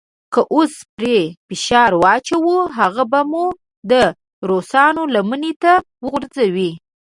که اوس پرې فشار واچوو هغه به مو د روسانو لمنې ته وغورځوي.